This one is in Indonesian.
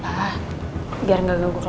biar gak ganggu kelas juga